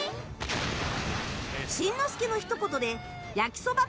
しんのすけのひと言で焼きそば